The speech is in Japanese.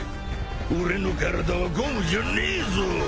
俺の体はゴムじゃねえぞ！